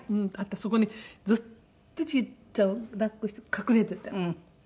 そこにずっとちーたんを抱っこして隠れてたの。